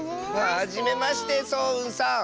はじめましてそううんさん。